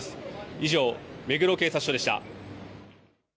以上、目黒警察署でした。